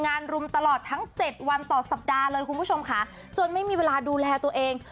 รุมตลอดทั้ง๗วันต่อสัปดาห์เลยคุณผู้ชมค่ะจนไม่มีเวลาดูแลตัวเอง